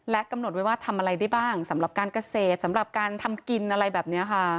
กำหนดไว้ว่าทำอะไรได้บ้างสำหรับการเกษตรสำหรับการทำกินอะไรแบบนี้ค่ะ